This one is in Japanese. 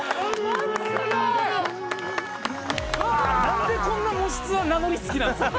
何でこんな『もしツア』名乗り好きなんですか？